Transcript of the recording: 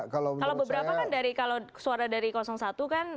kalau beberapa kan dari kalau suara dari satu kan